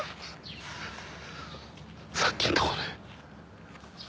さっきんとこで。